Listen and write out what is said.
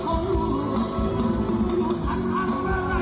จงทำเวลามันยังตาย